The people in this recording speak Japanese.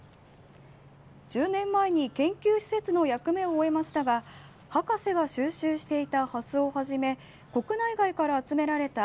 １０年前に研究施設の役目を終えましたが博士が収集していたハスをはじめ国内外から集められた